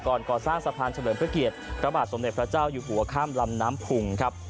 ก่อนก่อสร้างสะพันธ์เฉพาะเกียรตรภาพสมเด็จพระเจ้าอยู่หัวข้ามรำน้ำผุ่งครับ